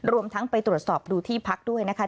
รวมทั้งไปตรวจสอบดูที่พักด้วยนะคะ